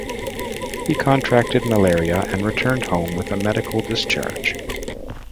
He contracted malaria and returned home with a medical discharge.